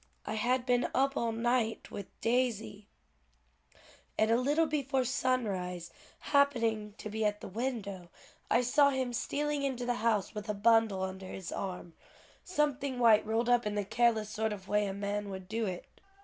I had been up all night with Daisy, and a little before sunrise happening to be at the window, I saw him stealing into the house with a bundle under his arm, something white rolled up in the careless sort of way a man would do it."